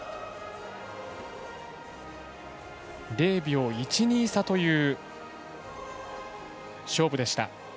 ０秒１２差という勝負でした。